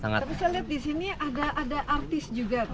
tapi saya lihat disini ada artis juga tuh